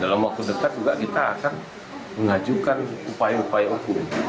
dalam waktu dekat juga kita akan mengajukan upaya upaya hukum